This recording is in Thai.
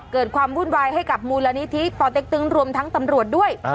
เกิดความวุ่นวายให้กับมูลนิธิปอเต็กตึงรวมทั้งตำรวจด้วย